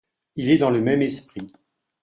Il est dans le même esprit.